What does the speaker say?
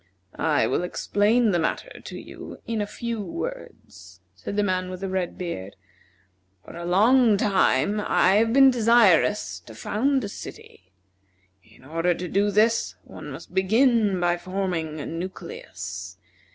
"I will explain the matter to you in a few words," said the man with the red beard. "For a long time I have been desirous to found a city. In order to do this one must begin by forming a nucleus.